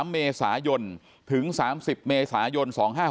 ๓เมษายนถึง๓๐เมษายน๒๕๖๒